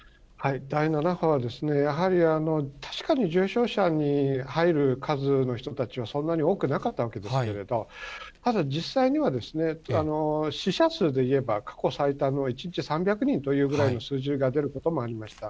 第７波はやはり確かに重症者に入る数の人たちは、そんなに多くなかったわけですけれども、ただ実際には、死者数でいえば、過去最多の１日３００人というぐらいの数字が出ることもありました。